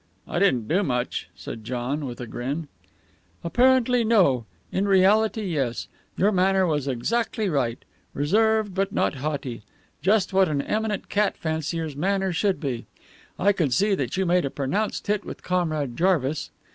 "I didn't do much," said John, with a grin. "Apparently, no. In reality, yes. Your manner was exactly right. Reserved, yet not haughty. Just what an eminent cat fancier's manner should be. I could see that you made a pronounced hit with Comrade Jarvis.